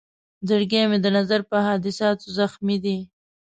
زړګی مې د نظر په حادثاتو زخمي دی.